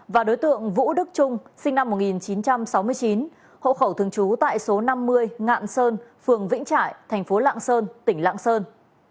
và đối tượng vũ đức trung sinh năm một nghìn chín trăm sáu mươi chín hộ khẩu thường trú tại số năm mươi ngạn sơn phường vĩnh trại thành phố lạng sơn tỉnh lạng sơn